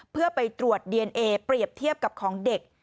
เพื่อไปตรวจดีเอนเอเปรียบเทียบกับของเด็ก